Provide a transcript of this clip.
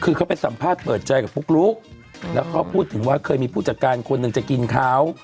คือเขาไปสัมภาษณ์เปิดใจกับปุ๊กลุ๊กแล้วเขาพูดถึงว่าเคยมีผู้จัดการคนหนึ่งจะกินเขา